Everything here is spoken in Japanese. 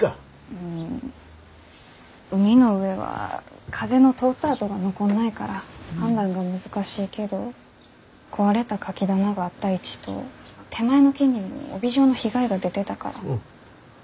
うん海の上は風の通ったあとが残んないから判断が難しいけど壊れたカキ棚があった位置と手前の木にも帯状の被害が出てたから多分。